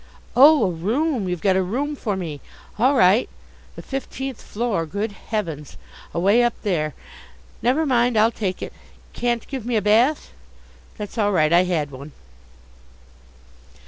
Oh, a room. You've got a room for me. All right. The fifteenth floor! Good heavens! Away up there! Never mind, I'll take it. Can't give me a bath? That's all right. I had one.